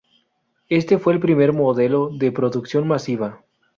Este fue el primer modelo de producción masiva.